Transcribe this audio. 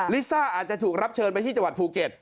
ลิซ่าอาจจะถูกรับเชิญไปที่จังหวัดภูเก็ต